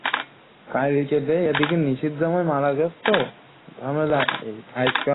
কেননা কুরআনে বলা হয়েছে- আসহাবুর রসসকে আল্লাহ ধ্বংস করেছেন।